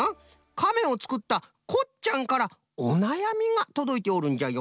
カメをつくったこっちゃんからおなやみがとどいておるんじゃよ。